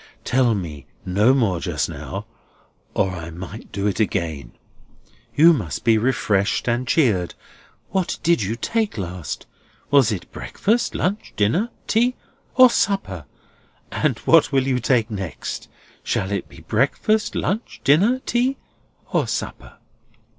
Tell me no more just now, or I might do it again. You must be refreshed and cheered. What did you take last? Was it breakfast, lunch, dinner, tea, or supper? And what will you take next? Shall it be breakfast, lunch, dinner, tea, or supper?"